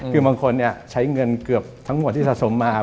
คือบางคนใช้เงินเกือบทั้งหมดที่สะสมมา